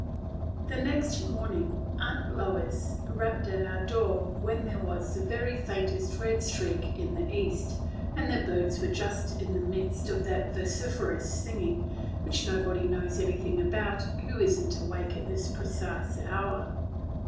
THE next morning Aunt Lois rapped at our door, when there was the very faintest red streak in the east, and the birds were just in the midst of that vociferous singing which nobody knows anything about who is n't awake at this precise hour.